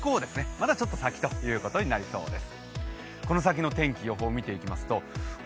まだちょっと先ということになりそうです。